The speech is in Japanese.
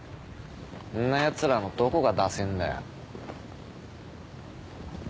んなやつらのどこがダセえんだよ。